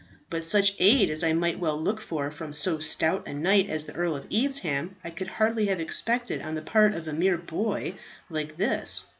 But such aid as I might well look for from so stout a knight as the Earl of Evesham, I could hardly have expected on the part of a mere boy like this.